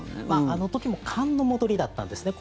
あの時も寒の戻りだったんですね。